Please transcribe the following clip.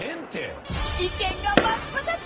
［意見が真っ二つ！